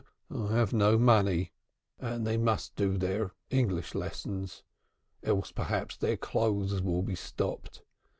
"I have no money, and they must do their English lessons. Else, perhaps, their clothes will be stopped.